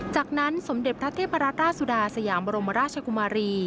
จากนั้นสมเด็จพระเทพรัตราชสุดาสยามบรมราชกุมารี